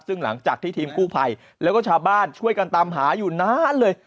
ซึ่งหลังจากที่ทีมกู้ภัยแล้วก็ชาวบ้านช่วยกันตามหาอยู่นานเลย